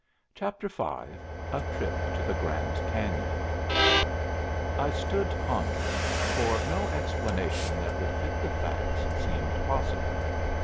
CHAPTER V A TRIP TO THE GRAND CAÑON I stood pondering, for no explanation that would fit the facts seemed possible.